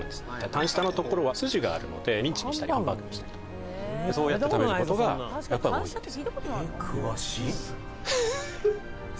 タン下のところは筋があるのでミンチにしたりハンバーグにしたりとかそうやって食べることがやっぱり多いです